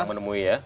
yang menemui ya